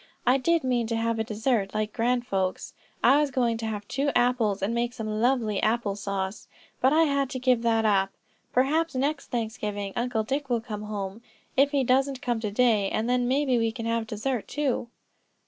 I did mean to have a dessert, like grand folks. I was going to have two apples and make some lovely apple sauce, but I had to give that up. Perhaps by next Thanksgiving, Uncle Dick will come home, if he doesn't come to day, and then maybe we can have dessert too."